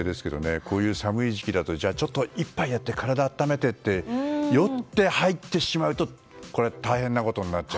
こういう寒い時期だと１杯やって体を温めてって酔って、入ってしまうと大変なことになっちゃう。